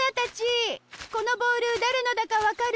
このボールだれのだかわかる？